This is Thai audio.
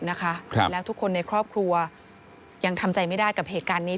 แล้วทุกคนในครอบครัวยังทำใจไม่ได้กับเหตุการณ์นี้